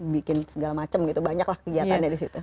bikin segala macam gitu banyaklah kegiatan dari situ